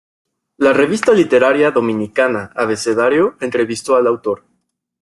La revista literaria dominicana Abecedario entrevistó al autor.